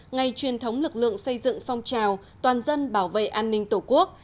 ngày truyền thống lực lượng xây dựng phong trào toàn dân bảo vệ an ninh tổ quốc